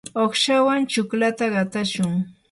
uqshawan chuklata qatashun.